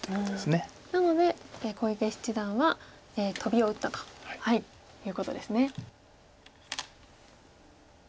なので小池七段はトビを打ったということですね。